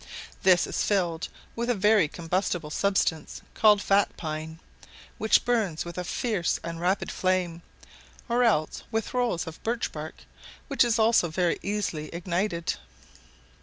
This is filled with a very combustible substance called fat pine, which burns with a fierce and rapid flame, or else with rolls of birch bark, which is also very easily ignited.